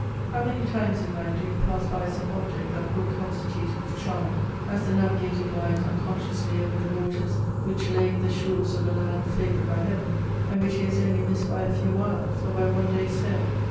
How many times in life do we pass by some object that would constitute its charm, as the navigator glides imconsciously over the waters which lave the shores of a land favoured by Heaven, and which he has only missed by a few miles or by one day's sail